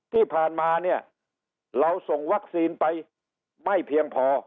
ที่ผ่านมาเนี่ยเราส่งวัคซีนไปไม่เพียงพอ